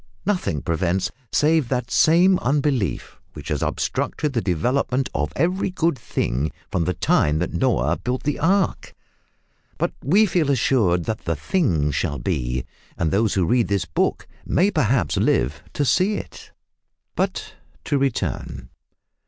Nothing prevents, save that same unbelief which has obstructed the development of every good thing from the time that Noah built the ark! But we feel assured that the thing shall be, and those who read this book may perhaps live to see it! But to return.